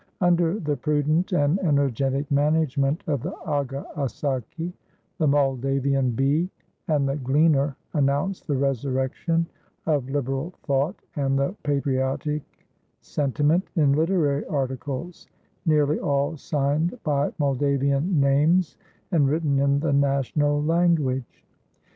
Under the prudent and energetic management of the Aga Assaki, "The Moldavian Bee" and "The Gleaner" announced the resurrection of liberal thought and the patriotic sentiment in literary articles, nearly all signed by Moldavian names and written in the national language.